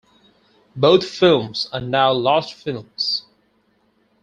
Both films are now lost films.